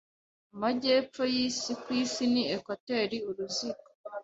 amajyepfo yisi kwisi ni ekwateri uruziga